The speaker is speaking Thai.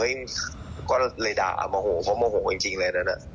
เฮ้ยก็เลยด่าโมโหเพราะโมโหจริงแหละนั้น